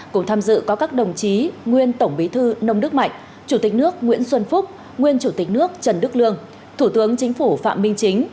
cùng tham dự có các đồng chí nguyên tổng bí thư nông đức mạnh chủ tịch nước nguyễn xuân phúc nguyên chủ tịch nước trần đức lương thủ tướng chính phủ phạm minh chính